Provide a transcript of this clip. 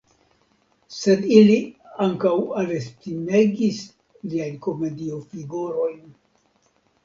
Sed ili ankaŭ altestimegis liajn komediofigurojn.